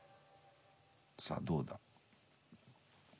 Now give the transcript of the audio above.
さあどうだ？